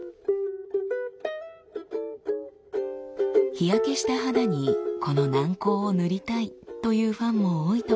日焼けした肌にこの軟膏を塗りたいというファンも多いとか。